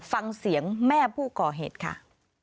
ฟังเสียงแม่ผู้ก่อเหตุค่ะ